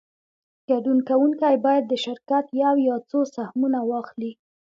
ګډون کوونکی باید د شرکت یو یا څو سهمونه واخلي